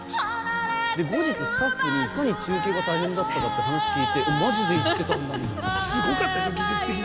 後日、スタッフにいかに中継が大変だったかって話を聞いてマジで行ってたんだみたいな。